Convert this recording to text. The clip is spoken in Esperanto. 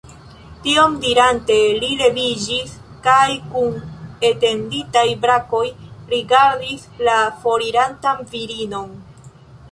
Tion dirante, li leviĝis kaj kun etenditaj brakoj rigardis la forirantan virinon.